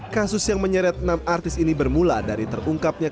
kasus yang menyeret enam artis ini bermula dari terungkapnya